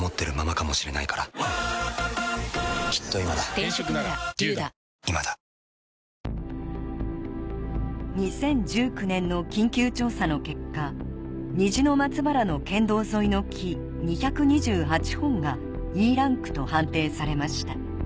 危険な木は今も２０１９年の緊急調査の結果虹の松原の県道沿いの木２２８本がＥランクと判定されました